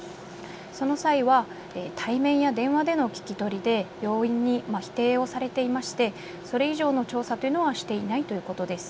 その際は対面や電話での聞き取りで病院に否定をされていまして、それ以上の調査というのはしていないということです。